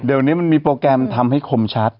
เดี๋ยวนี้มันมีโปรแกรมทำให้คมชัด